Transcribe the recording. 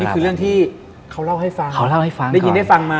นี่คือเรื่องที่เขาเล่าให้ฟังเขาเล่าให้ฟังได้ยินได้ฟังมา